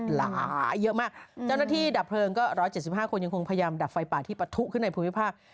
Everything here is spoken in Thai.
หลายเยอะมากเจ้าหน้าที่ดับเพลิงก็๑๗๕คนยังคงพยายามดับไฟป่าที่ปะทุขึ้นในภูมิภาค